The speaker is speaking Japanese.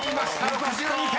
６２点］